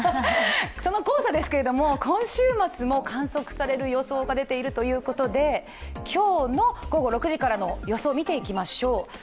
その黄砂ですけども、今週末も観測される予想が出ているということで、今日の午後６時からの予想を見ていきましょう。